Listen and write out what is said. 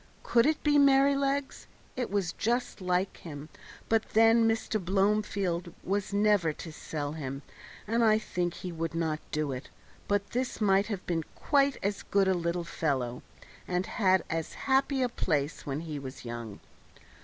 Could it be Merrylegs? It was just like him; but then Mr. Blomefield was never to sell him, and I think he would not do it; but this might have been quite as good a little fellow, and had as happy a place when he was young.